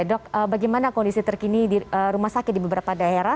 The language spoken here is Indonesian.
dok bagaimana kondisi terkini di rumah sakit di beberapa daerah